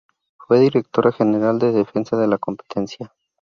Fue Directora General de Defensa de la Competencia.